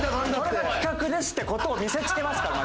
これが企画ですって事を見せつけますから。